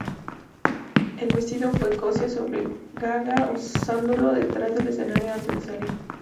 El vestido fue cosido sobre Gaga usándolo detrás del escenario antes de salir.